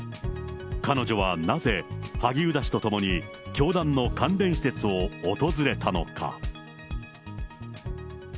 彼女はなぜ、萩生田氏と共に教団の関連施設を訪れたのか。